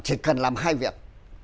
chỉ cần làm hai việc